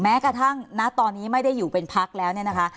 แม้กระทั่งณตอนนี้ไม่ได้อยู่เป็นพักแล้วเนี่ยนะคะ